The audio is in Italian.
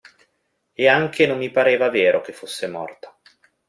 E anche non mi pareva vero che fosse morta.